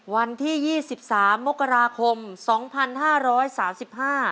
วันที่๒๓มกราคม๒๕๓๕มีความสำคัญของเรายังไง